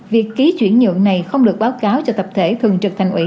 việc ký chuyển nhượng này không được báo cáo cho tập thể thường trực thành ủy